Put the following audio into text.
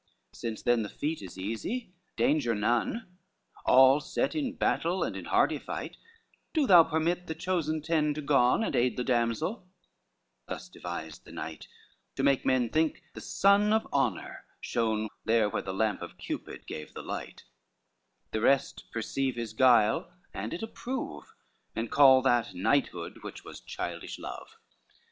VII "Since then the feat is easy, danger none, All set in battle and in hardy fight, Do thou permit the chosen ten to gone And aid the damsel:" thus devised the knight, To make men think the sun of honor shone There where the lamp of Cupid gave the light: The rest perceive his guile, and it approve, And call that knighthood which was childish love.